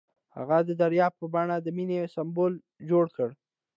هغه د دریاب په بڼه د مینې سمبول جوړ کړ.